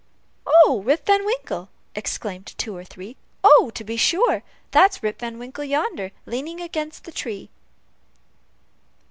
"Oh, Rip Van Winkle!" exclaimed two or three. "Oh, to be sure! that's Rip Van Winkle yonder, leaning against the tree."